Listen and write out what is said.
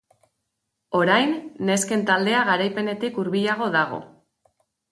Orain, nesken taldea garaipenetik hurbilago dago.